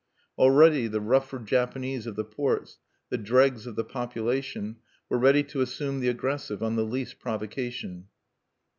Already the rougher Japanese of the ports, the dregs of the populace, were ready to assume the aggressive on the least provocation.